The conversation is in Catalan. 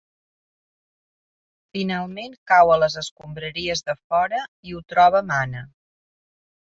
Finalment cau a les escombraries de fora i ho troba Mana.